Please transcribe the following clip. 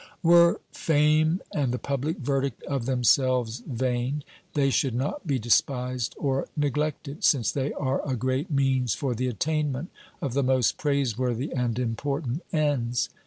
Were fame and the public verdict of themselves vain, they should not be despised or neglected, since they are a great means for the attainment of the most praiseworthy and important ends.